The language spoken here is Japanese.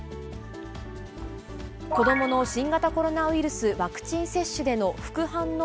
子どもの新型コロナウイルスワクチン接種での副反応